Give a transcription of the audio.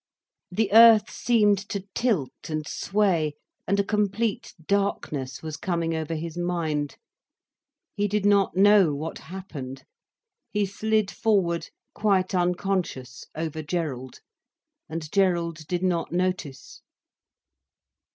The earth seemed to tilt and sway, and a complete darkness was coming over his mind. He did not know what happened. He slid forward quite unconscious, over Gerald, and Gerald did not notice.